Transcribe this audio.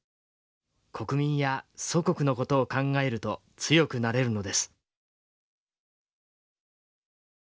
国民や祖国の事を考えると強くなれるのです」。